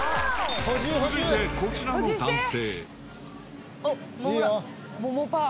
続いてこちらの男性。